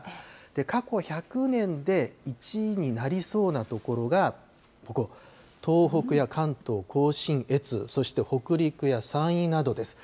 過去１００年で１位になりそうな所がここ、東北や関東甲信越、そして北陸や山陰などです。